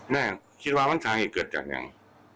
แม่คิดว่ามันเจาะเนี่ยเกิดจากยัง